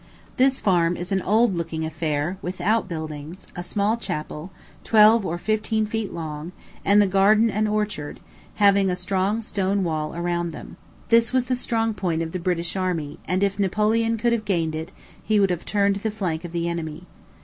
This farm is an old looking affair, with out buildings a small chapel, twelve or fifteen feet long, and the garden and orchard, having a strong stone wall around them. This was the strong point of the British army; and if Napoleon could have gained it, he would have turned the flank of the enemy.